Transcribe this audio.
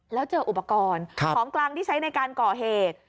แล้วเจออุปกรณ์ของกลางที่ใช้ในการก่อเหตุ